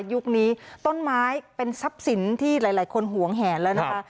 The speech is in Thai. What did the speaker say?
ยุคนี้ต้นไม้เป็นทรัพย์สินที่หลายคนหวงแหนแล้วนะคะ